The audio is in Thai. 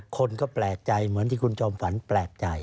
คนก็แปลกใจเหมือนที่คุณจอมฝันแปลกใจ